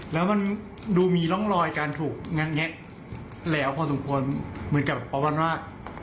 แล้วมันดูมีร่องรอยการถูกงัดแงะแล้วพอสมควรเหมือนกับประมาณว่า